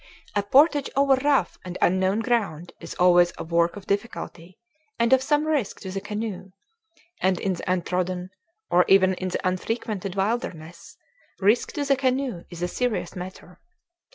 A portage over rough and unknown ground is always a work of difficulty and of some risk to the canoe; and in the untrodden, or even in the unfrequented, wilderness risk to the canoe is a serious matter.